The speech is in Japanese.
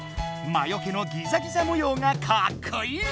魔よけのギザギザもようがかっこいい！